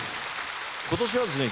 今年はですね